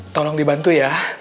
tolong dibantu ya